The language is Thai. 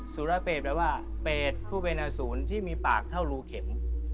สุรเปศแปลว่าเปศผู้เบนศูนย์ที่มีปากเท่ารูเข็ม